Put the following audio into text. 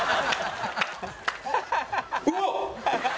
うわっ！